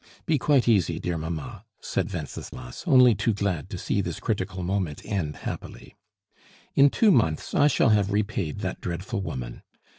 "Be quite easy, dear mamma," said Wenceslas, only too glad to see this critical moment end happily. "In two months I shall have repaid that dreadful woman.